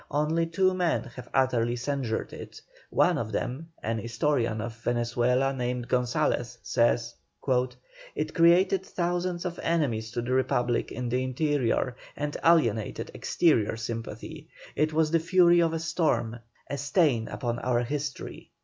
Only two men have utterly censured it. One of them, an historian of Venezuela named Gonzalez, says: "It created thousands of enemies to the Republic in the interior, and alienated exterior sympathy. It was the fury of a storm, a stain upon our history."